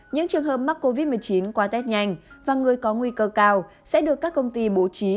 những trường hợp mắc covid một mươi chín qua test nhanh và người có nguy cơ cao sẽ được các công ty bố trí